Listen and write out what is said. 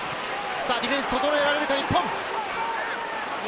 ディフェンスを整えられるか、日本。